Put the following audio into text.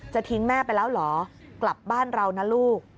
ทิ้งแม่ไปแล้วเหรอกลับบ้านเรานะลูก